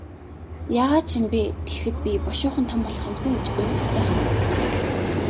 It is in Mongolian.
Яагаад ч юм бэ, тэгэхэд би бушуухан том болох юм сан гэж уйтгартайхан боджээ.